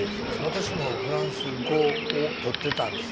私もフランス語を取ってたんです